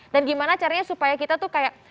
dan gimana caranya supaya kita tuh kayak